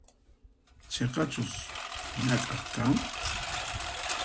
Chiqachus ñak'aq kan?